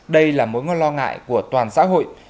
đây là mối lo ngại của toàn xã hội